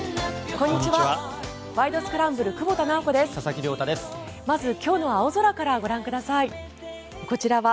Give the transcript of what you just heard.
こんにちは。